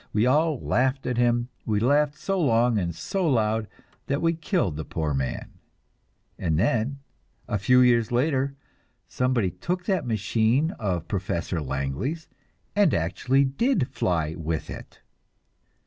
We all laughed at him we laughed so long and so loud that we killed the poor man; and then, a few years later, somebody took that machine of Professor Langley's and actually did fly with it!